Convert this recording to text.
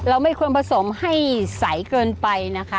ไม่ควรผสมให้ใสเกินไปนะคะ